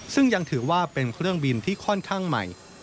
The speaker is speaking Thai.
ซึ่งยังถือว่าเป็นเครื่องบินที่ค่อนข้างใหม่